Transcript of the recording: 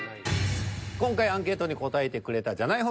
今回アンケートに答えてくれたじゃない方